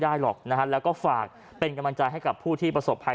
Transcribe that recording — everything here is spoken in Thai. หรอกนะฮะแล้วก็ฝากเป็นกำลังใจให้กับผู้ที่ประสบภัย